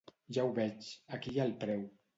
Ja ho veig: aquí hi ha el preu.